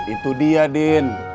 itu dia din